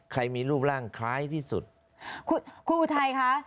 ใครมีรูปร่างคล้ายที่สุดคุณอุทัยคะ